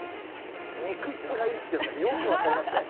肉質がいいっていうのはよく分かりますね。